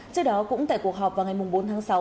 trước đó cũng tại cuộc họp vào ngày bốn tháng sáu